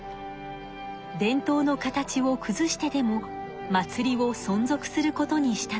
伝統の形をくずしてでも祭りをそん続することにしたのです。